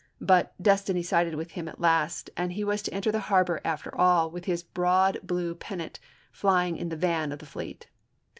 But des tiny sided with him at last, and he was to enter the harbor after all with his broad blue pennant flying in the van of the fleet.